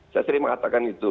saya sering mengatakan itu